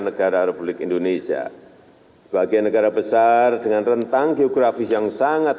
negara republik indonesia sebagai negara besar dengan rentang geografis yang sangat